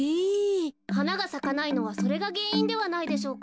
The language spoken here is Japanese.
はながさかないのはそれがげんいんではないでしょうか。